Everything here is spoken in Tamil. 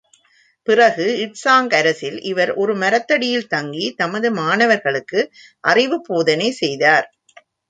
பிறகு, ட்சாங் அரசில் இவர் ஒரு மரத்தடியில் தங்கி தமது மாணவர்களுக்கு அறிவு போதனை செய்தார்.